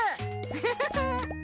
フフフフ。